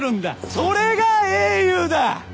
それが英雄だ！